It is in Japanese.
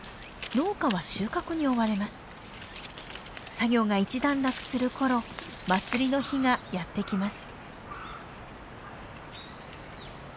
作業が一段落する頃祭りの日がやって来ます。